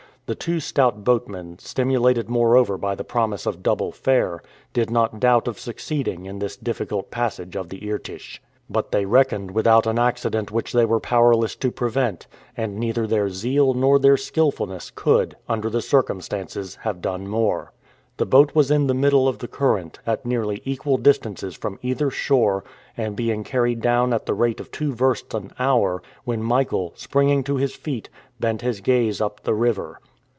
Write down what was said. The two stout boatmen, stimulated moreover by the promise of double fare, did not doubt of succeeding in this difficult passage of the Irtych. But they reckoned without an accident which they were powerless to prevent, and neither their zeal nor their skill fulness could, under the circumstances, have done more. The boat was in the middle of the current, at nearly equal distances from either shore, and being carried down at the rate of two versts an hour, when Michael, springing to his feet, bent his gaze up the river.